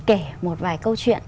kể một vài câu chuyện